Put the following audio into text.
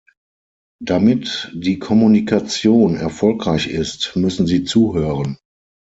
Damit die Kommunikation erfolgreich ist, müssen Sie zuhören.